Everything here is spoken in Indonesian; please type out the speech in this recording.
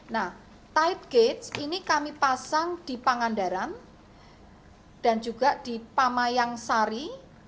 nah tight gates ini kami pasang di pangandaran dan juga di pamayang sari